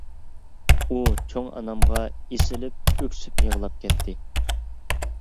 ئۇ چوڭ ئانامغا ئېسىلىپ ئۆكسۈپ يىغلاپ كەتتى.